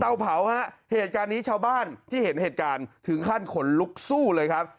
เผาฮะเหตุการณ์นี้ชาวบ้านที่เห็นเหตุการณ์ถึงขั้นขนลุกสู้เลยครับ